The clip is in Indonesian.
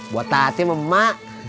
buat tati sama mak